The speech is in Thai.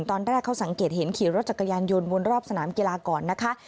ตอนแรกเขาสังเกตเห็นขี่รถจักรยานยนต์วนรอบสนามกีฬาก่อนนะคะ